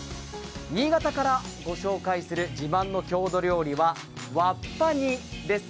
新潟から御紹介する自慢の郷土料理はわっぱ煮です。